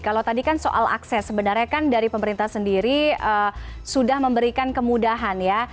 kalau tadi kan soal akses sebenarnya kan dari pemerintah sendiri sudah memberikan kemudahan ya